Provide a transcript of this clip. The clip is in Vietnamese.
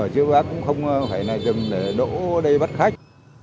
chứ bác cũng không phải rừng để đỗ đây bắt khách